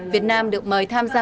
việt nam được mời tham gia